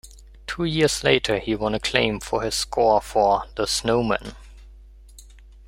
Two years later he won acclaim for his score for "The Snowman".